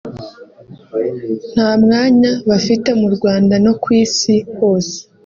nta mwanya bafite mu Rwanda no ku isi hose